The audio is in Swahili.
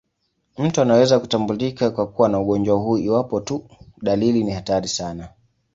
Mtu anaweza kutambulika kuwa na ugonjwa huu iwapo tu dalili ni hatari sana.